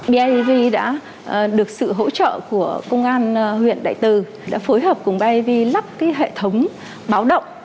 biav đã được sự hỗ trợ của công an huyện đại tư đã phối hợp cùng biav lắp hệ thống báo động